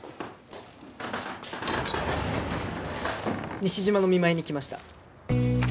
西島の見舞いに来ました。